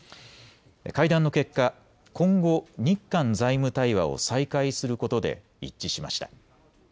会談の結果、今後、日韓財務対話を再開することで一致しました。